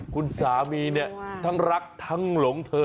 คุณสามีเนี่ยทั้งรักทั้งหลงเธอ